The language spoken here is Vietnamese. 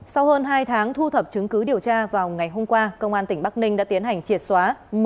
sau hơn hai tháng thu thập chứng cứ điều tra vào ngày hôm qua công an tỉnh bắc ninh đã tiến hành triệt xóa